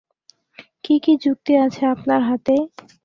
কী কী যুক্তি আছে আপনার হাতে?